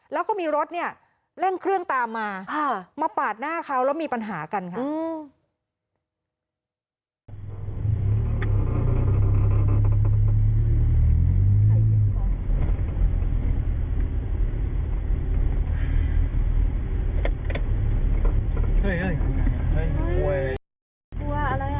แล้วก็มีรถเนี่ยเร่งเครื่องตามมามาปาดหน้าเขาแล้วมีปัญหากันค่ะ